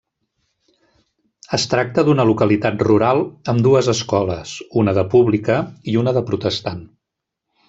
Es tracta d'una localitat rural amb dues escoles: una de pública i una de protestant.